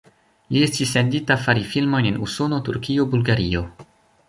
Li estis sendita fari filmojn en Usono, Turkio, Bulgario.